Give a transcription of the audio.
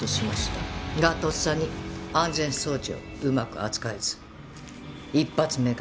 がとっさに安全装置をうまく扱えず１発目が。